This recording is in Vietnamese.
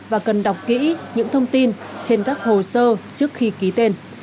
và cần đọc kỹ những thông tin trên các hồ sơ trước khi ký tên